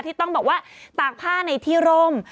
ที่ต้องบอกว่าตากผ้าในที่ร่ม